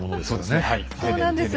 そうなんです。